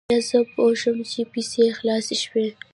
بیا زه پوه شوم چې پیسې خلاصې شوې.